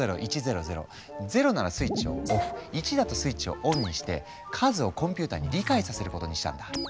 ０ならスイッチをオフ１だとスイッチをオンにして数をコンピューターに理解させることにしたんだ。